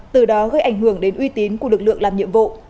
từ đó gây ảnh hưởng đến uy tín của lực lượng làm việc